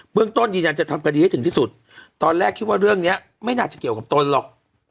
เรื่องต้นยืนยันจะทำคดีให้ถึงที่สุดตอนแรกคิดว่าเรื่องนี้ไม่น่าจะเกี่ยวกับตนหรอก